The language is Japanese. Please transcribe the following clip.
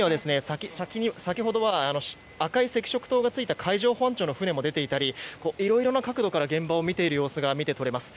海には先ほどは赤い赤色灯がついた海上保安庁の船が出ていたりいろいろな角度から海を見ている様子も見て取れます。